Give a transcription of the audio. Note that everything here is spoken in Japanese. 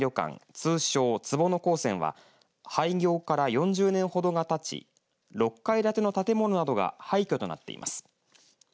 通称坪野鉱泉は廃業から４０年ほどがたち６階建ての建物などが廃虚となっています。